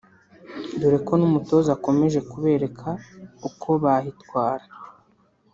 dore ko n’ umutoza akomeje kubereka uko bahitwara